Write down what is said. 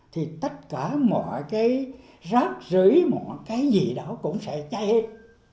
thì tất cả mọi cái rác rưỡi mọi cái gì đó cũng sẽ cháy hết